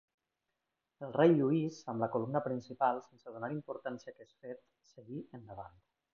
El rei Lluís, amb la columna principal, sense donar importància a aquest fet, seguí endavant.